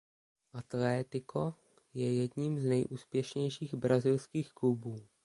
Atlético je jedním z nejúspěšnějších brazilských klubů.